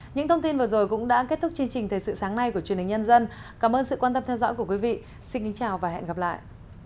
những thông tin vừa rồi cũng đã kết thúc chương trình thời sự sáng nay của truyền hình nhân dân cảm ơn sự quan tâm theo dõi của quý vị xin kính chào và hẹn gặp lại